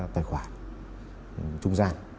tài khoản trung gian